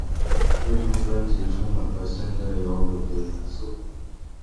这张专辑充满了现代摇滚的元素。